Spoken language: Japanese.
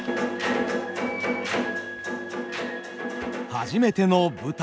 初めての舞台。